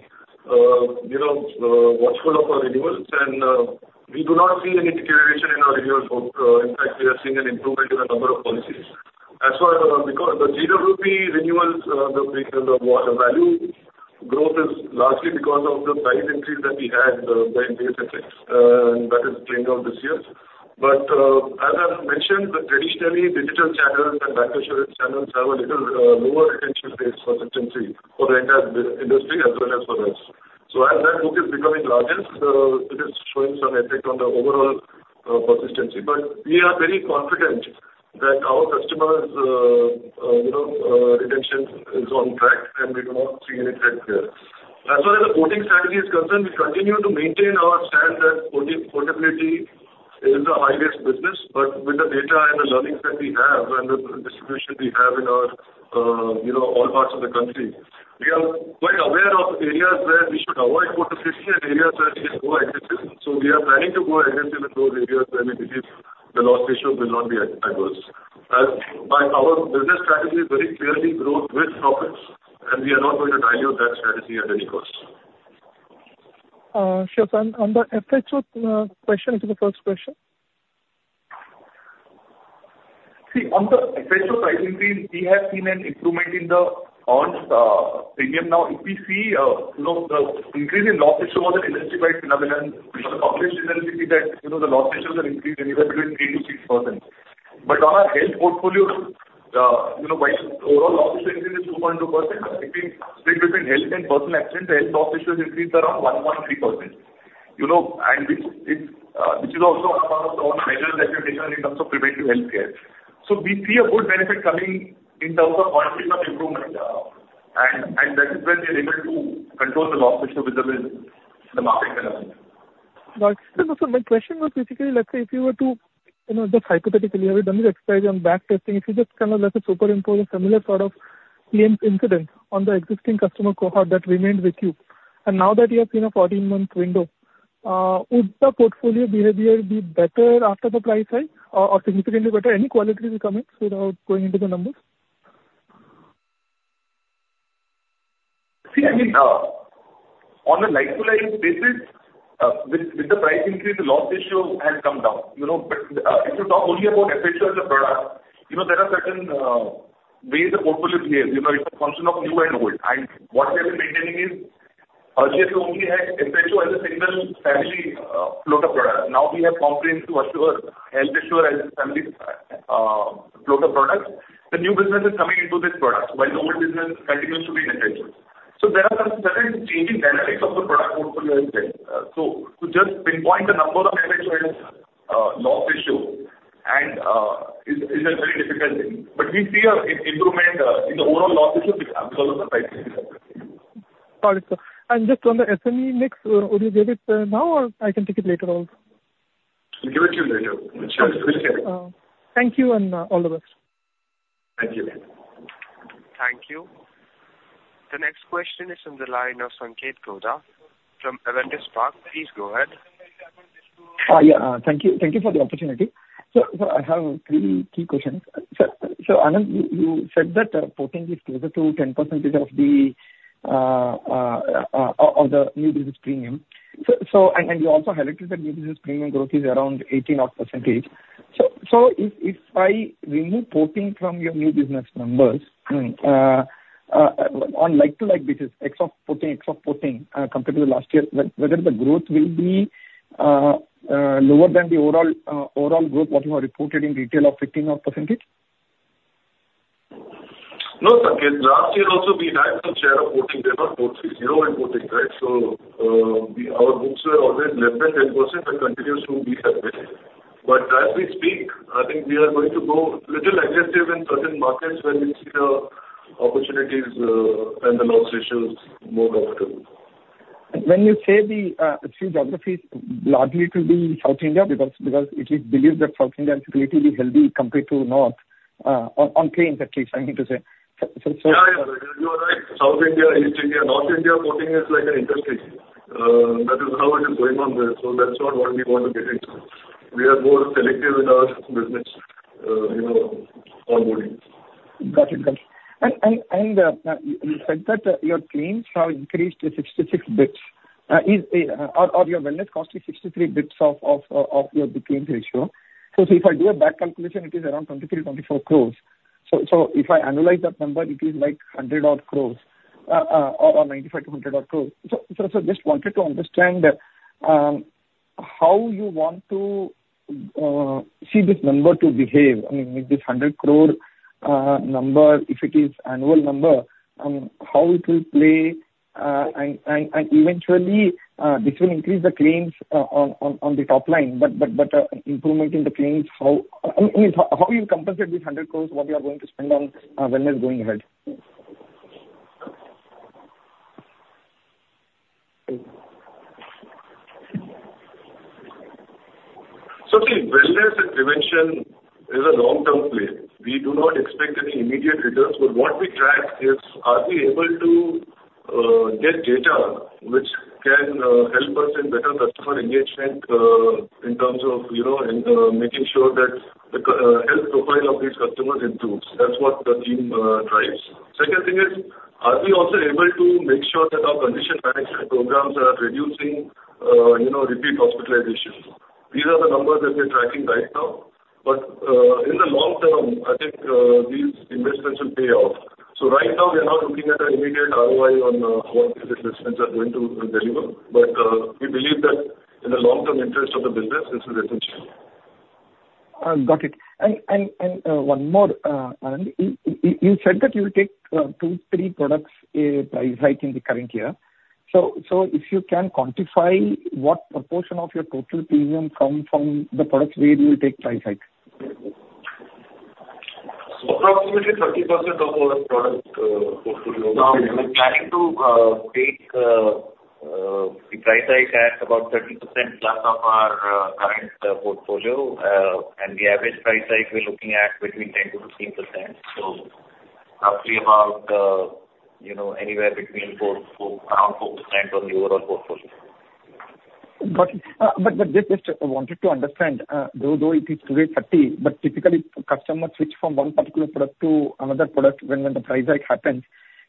you know, watchful of our renewals, and we do not see any deterioration in our renewal book. In fact, we are seeing an improvement in the number of policies. As far as the, because the GWP renewals, the value growth is largely because of the price increase that we had, the base effect, that is playing out this year. But, as I've mentioned, traditionally, digital channels and bank insurance channels have a little lower retention rate persistency for the entire industry as well as for us. So as that book is becoming largest, it is showing some effect on the overall persistency. But we are very confident that our customers, you know, retention is on track, and we do not see any threat there. As far as the porting strategy is concerned, we continue to maintain our stance that porting, portability is a high-risk business, but with the data and the learnings that we have and the distribution we have in our, you know, all parts of the country, we are quite aware of areas where we should avoid porting and areas where we have more aggressive. So we are planning to go aggressive in those areas where we believe the loss ratio will not be as worse. But our business strategy is very clearly growth with profits, and we are not going to dilute that strategy at any cost. Sure. On the FHO, question is the first question. See, on the FHO pricing scheme, we have seen an improvement in the on, premium. Now, if we see, you know, the increase in loss ratio was an [industry led] phenomenon. Which the published results see that, you know, the loss ratios have increased anywhere between 3%-6%. But on our health portfolio, you know, by overall loss ratio increase is 2.2% between, split between health and personal accident, the health loss ratio increase around 1.3%. You know, and which is, which is also a part of our measures that we've taken in terms of preventive health care. So we see a good benefit coming in terms of quality of improvement, and, and that is where we are able to control the loss ratio within the, the market development. But, so my question was basically, let's say if you were to, you know, just hypothetically, you have done the exercise on back testing. If you just kind of let's superimpose a similar sort of claim incident on the existing customer cohort that remained with you, and now that you have seen a 14-month window, would the portfolio behavior be better after the price hike or, or significantly better? Any qualitative comments without going into the numbers? See, I mean, on a like-to-like basis, with, with the price increase, the loss ratio has come down. You know, but, if you talk only about FHO as a product, you know, there are certain ways the portfolio behaves. You know, it's a function of new and old, and what we have been maintaining is, earlier it only had FHO as a single family floater product. Now we have Comprehensive Health Insurance and family floater product. The new business is coming into this product, while the old business continues to be in FHO. So there are certain, certain changing dynamics of the product portfolio is there. So to just pinpoint the number of FHO loss ratio and is a very difficult thing. But we see a, an improvement in the overall loss ratio, which absorbs the price. Got it, sir. And just on the SME mix, would you give it, now or I can take it later on? We'll give it to you later. Sure, we'll get it. Thank you, and all the best. Thank you. Thank you. The next question is on the line of Sanket Godha from Avendus Spark. Please go ahead. Yeah, thank you, thank you for the opportunity. So I have three key questions. Sir, Anand, you said that porting is closer to 10% of the new business premium. And you also highlighted that new business premium growth is around 18 odd %. So if I remove porting from your new business numbers, on like-for-like basis, excluding porting, excluding porting, compared to the last year, whether the growth will be lower than the overall, overall growth what you have reported in retail of 15 odd %? No, Sanket, last year also we had some share of porting. There were 40 in porting, right? So, we, our books were always less than 10% and continues to be that way. But as we speak, I think we are going to go little aggressive in certain markets where we see the opportunities, and the loss ratios more comfortable.... When you say the three geographies, largely it will be South India because it is believed that South India is relatively healthy compared to North on claims at least, I need to say. So, so- Yeah, yeah. You are right. South India, East India. North India for me is like an interesting, that is how it is going on there, so that's not what we want to get into. We are more selective in our business, you know, onboarding. Got it, got it. And you said that your claims have increased to 66 basis points. Or your wellness cost is 63 basis points of your claims ratio. So if I do a back calculation, it is around 23-24 crores. So if I analyze that number, it is like 100 odd crores, or 95-100 odd crores. So just wanted to understand how you want to see this number to behave. I mean, if this 100 crores number, if it is annual number, how it will play, and eventually, this will increase the claims on the top line, but improvement in the claims, how, I mean, how you compensate this 100 crores, what we are going to spend on wellness going ahead? So the wellness intervention is a long-term play. We do not expect any immediate returns, but what we track is, are we able to get data which can help us in better customer engagement in terms of, you know, in making sure that the health profile of these customers improves. That's what the team drives. Second thing is, are we also able to make sure that our condition management programs are reducing, you know, repeat hospitalizations? These are the numbers that we're tracking right now, but in the long term, I think these investments will pay off. So right now, we are not looking at an immediate ROI on what these investments are going to deliver, but we believe that in the long-term interest of the business, this is essential. Got it. And, Anand. You said that you will take two, three products a price hike in the current year. So if you can quantify what proportion of your total premium from the products where you will take price hike? Approximately 30% of our product portfolio. Now, we're planning to take the price hike at about 30%+ of our current portfolio. And the average price hike we're looking at between 10%-15%. So roughly about, you know, anywhere between four, around 4% on the overall portfolio. Got it. But just wanted to understand, though it is today 30, but typically customers switch from one particular product to another product when the price hike happens.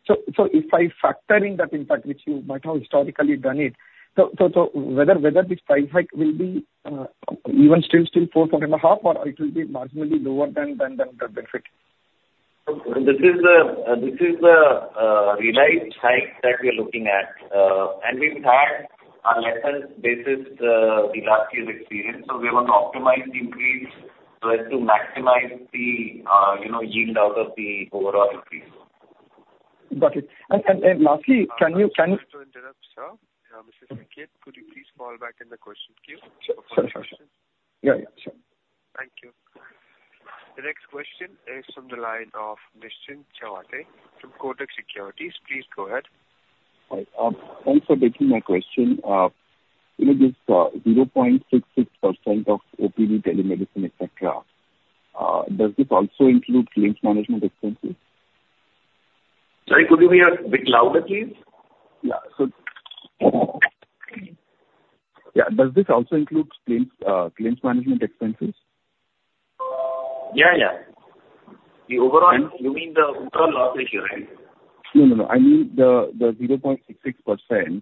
So if I factor in that impact, which you might have historically done it, so whether this price hike will be even still 4, 4.5, or it will be marginally lower than the basic? This is the realized hike that we are looking at. And we've had a lesser basis, the last year's experience, so we want to optimize increase so as to maximize the, you know, yield out of the overall increase. Got it. And lastly, can you- Sorry to interrupt, sir. This is Niket. Could you please fall back in the question queue? Sure, sure, sure, sure. Yeah, yeah, sure. Thank you. The next question is from the line of Nischint Chawathe from Kotak Securities. Please go ahead. Hi, thanks for taking my question. You know, this 0.66% of OPD, telemedicine, et cetera, does this also include claims management expenses? Sorry, could you be a bit louder, please? Yeah. So, yeah. Does this also include claims, claims management expenses? Yeah, yeah. The overall- And- You mean the overall loss ratio, right? No, no, no. I mean the 0.66%,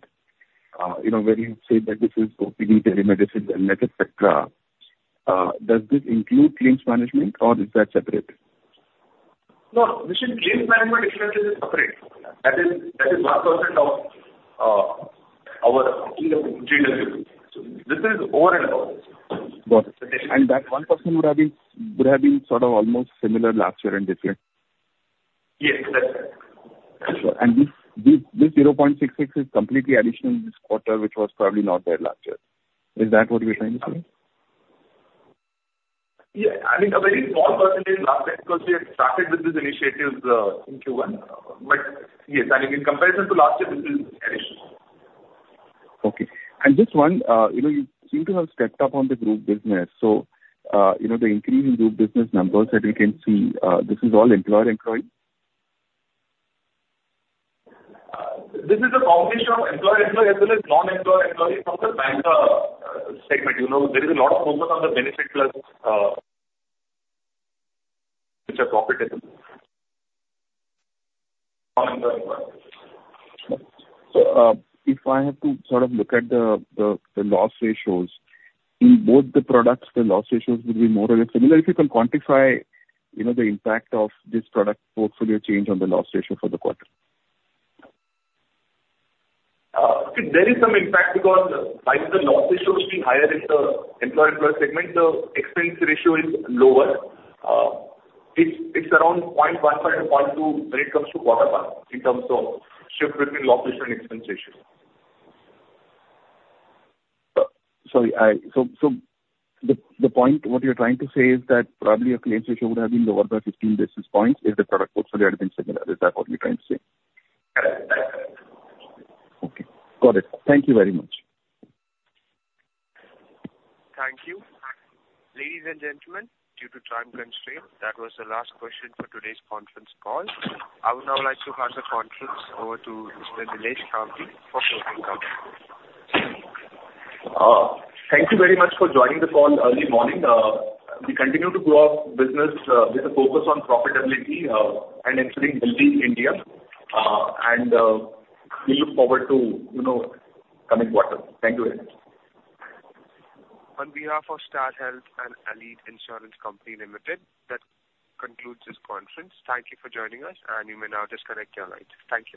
you know, where you say that this is OPD, telemedicine, and et cetera, does this include claims management or is that separate? No, Nischint, claims management expenses is separate. That is, that is 1% of our GWP. This is over and above. Got it. And that 1% would have been, would have been sort of almost similar last year and this year? Yes, that's right. This 0.66 is completely additional this quarter, which was probably not there last year. Is that what you're trying to say? Yeah, I think a very small percentage last year, because we had started with this initiative in Q1. But yes, I think in comparison to last year, this is additional. Okay. And just one, you know, you seem to have stepped up on the group business. So, you know, the increase in group business numbers that we can see, this is all employer-employee? This is a combination of Employer-Employee as well as non-Employer-Employee from the bank segment. You know, there is a lot of focus on the benefit plans, which are profitable. If I have to sort of look at the loss ratios in both the products, the loss ratios will be more or less similar. If you can quantify, you know, the impact of this product portfolio change on the loss ratio for the quarter. There is some impact because while the loss ratio is higher in the employer-employee segment, the expense ratio is lower. It's around 0.15-0.20 when it comes to quarter one, in terms of shift between loss ratio and expense ratio. Sorry, so the, the point what you're trying to say is that probably your claims ratio would have been lower by 15 basis points if the product portfolio had been similar. Is that what you're trying to say? Correct. Okay, got it. Thank you very much. Thank you. Ladies and gentlemen, due to time constraint, that was the last question for today's conference call. I would now like to hand the conference over to Mr. Nilesh Kambli for closing comments. Thank you very much for joining the call early morning. We continue to grow our business with a focus on profitability and ensuring healthy India. We look forward to, you know, coming quarter. Thank you very much. On behalf of Star Health and Allied Insurance Company Limited, that concludes this conference. Thank you for joining us, and you may now disconnect your lines. Thank you.